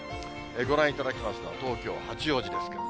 ご覧いただきますのが東京・八王子ですけど。